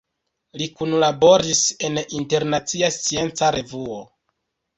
Li kunlaboris en Internacia Scienca Revuo.